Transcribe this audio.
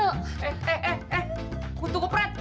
eh eh eh eh kutu kepret